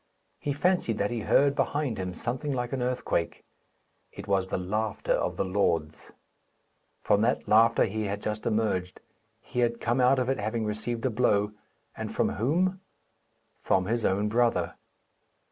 He fancied that he heard behind him something like an earthquake. It was the laughter of the Lords. From that laughter he had just emerged. He had come out of it, having received a blow, and from whom? From his own brother!